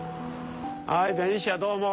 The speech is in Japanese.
はいベニシアどうも！